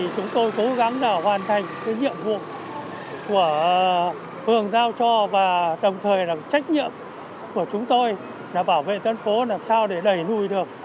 chúng tôi cố gắng hoàn thành nhiệm vụ của phường giao cho và đồng thời là trách nhiệm của chúng tôi là bảo vệ dân phố làm sao để đẩy lùi được